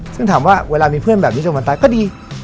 ซึ่งถามว่าเวลามีเพื่อนแบบนี้จนวันตายก็ดี